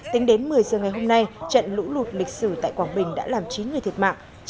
tính đến một mươi giờ ngày hôm nay trận lũ lụt lịch sử tại quảng bình đã làm chín người thiệt mạng